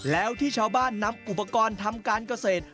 แล้วที่ชาวบ้านนำอุปกรณ์ทำการเกษตร